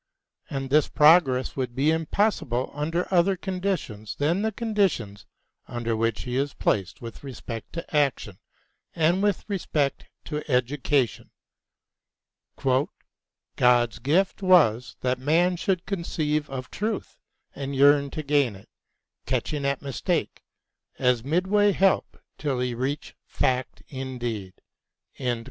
And this progress would be impossible under other conditions than the conditions under which he is placed with respect to action and with respect to education : God's gift was that man should conceive of truth And yearn to gain it, catching at mistake. As midway help till he reach fact indeed.